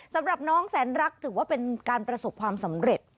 สำหรับน้องแสนรักถือว่าเป็นการประสบความสำเร็จ